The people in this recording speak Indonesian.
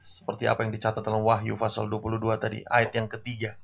seperti apa yang dicatat dalam wahyu fasal dua puluh dua tadi ayat yang ke tiga